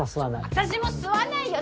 私も吸わないよ！